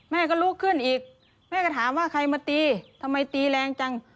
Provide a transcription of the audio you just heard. แม่ก็ลุกขึ้นอีกแม่ก็ถามว่าใครมาตีทำไมตีแรงจัง